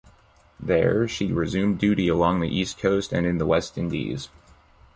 There, she resumed duty along the east coast and in the West Indies.